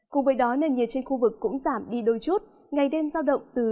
cùng với đó nền nhiệt trên khu vực cũng giảm đi đôi chút ngày đêm giao động từ hai mươi bốn đến ba mươi năm độ